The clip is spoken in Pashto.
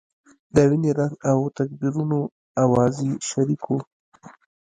د وینې رنګ او تکبیرونو اوازونه شریک وو.